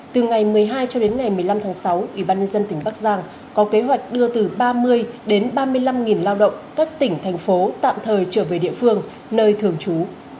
từ ngày một mươi hai cho đến ngày một mươi năm tháng sáu ủy ban nhân dân tỉnh bắc giang có kế hoạch đưa từ ba mươi đến ba mươi năm lao động các tỉnh thành phố tạm thời trở về địa phương nơi thường trú